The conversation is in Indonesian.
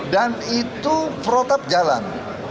dan itu protap jalan